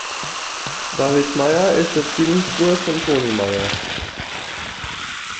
David Meyer ist der Zwillingsbruder von Tony Meyer.